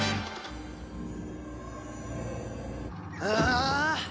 ああ！